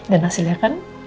dan hasilnya kan